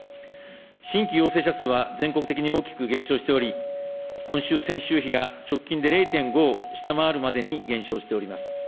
新規陽性者数は、全国的に大きく減少しており、今週、先週比が直近で０．５を下回るまでに減少しております。